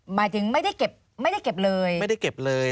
หมายถึงไม่ได้เก็บไม่ได้เก็บเลย